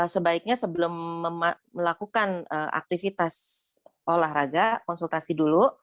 sebaiknya sebelum melakukan aktivitas olahraga konsultasi dulu